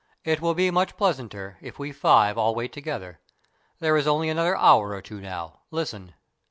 " It will be much pleasanter if we five all wait together. There is only another hour or two now. Listen